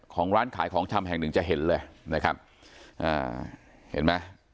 ของร้านขายของชำแห่งหนึ่งจะเห็นเลยนะครับอ่าเห็นไหม